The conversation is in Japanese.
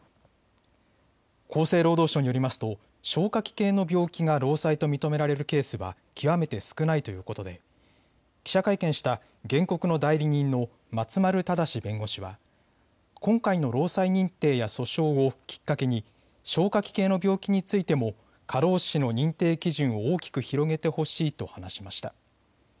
厚生労働省によりますと消化器系の病気が労災と認められるケースは極めて少ないということで記者会見した原告の代理人の松丸正弁護士は今回の労災認定や訴訟をきっかけに消化器系の病気についても過労死の認定基準を大きく広げてほしいと話しました。